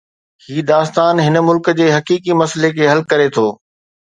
هي داستان هن ملڪ جي حقيقي مسئلي کي حل ڪري ٿو.